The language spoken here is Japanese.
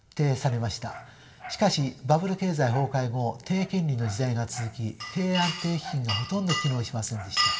しかしバブル経済崩壊後低金利の時代が続き経営安定基金がほとんど機能しませんでした。